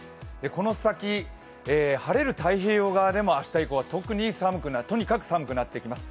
この先、晴れる太平洋側でも明日以降はとにかく寒くなってきます。